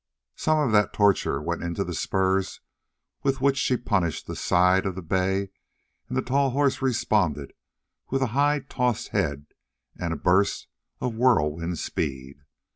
Some of that torture went into the spurs with which she punished the side of the bay, and the tall horse responded with a high tossed head and a burst of whirlwind speed.